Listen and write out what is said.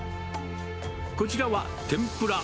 こちらは、天ぷら。